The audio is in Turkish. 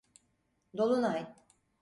Dolunay…